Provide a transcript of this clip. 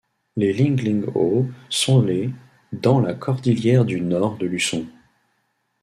Les lingling-o sont les dans la cordillère du nord de Luçon.